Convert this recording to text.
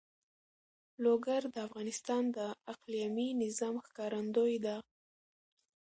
لوگر د افغانستان د اقلیمي نظام ښکارندوی ده.